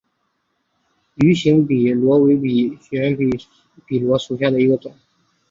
芋形笔螺为笔螺科芋笔螺属下的一个种。